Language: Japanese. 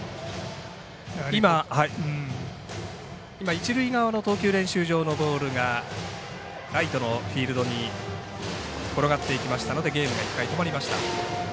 一塁側の投球練習場のボールがライトのフィールドに転がっていきましたのでゲームが一回、止まりました。